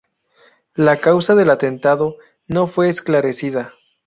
La causa del atentado no fue esclarecida.